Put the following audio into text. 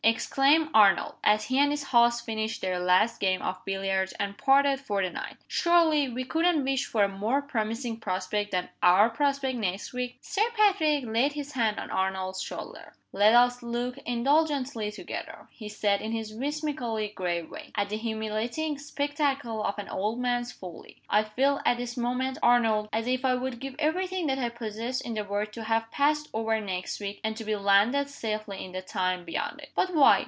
exclaimed Arnold, as he and his host finished their last game of billiards, and parted for the night. "Surely, we couldn't wish for a more promising prospect than our prospect next week?" Sir Patrick laid his hand on Arnold's shoulder. "Let us look indulgently together," he said, in his whimsically grave way, "at the humiliating spectacle of an old man's folly. I feel, at this moment, Arnold, as if I would give every thing that I possess in the world to have passed over next week, and to be landed safely in the time beyond it." "But why?"